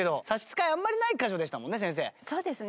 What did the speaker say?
そうですね。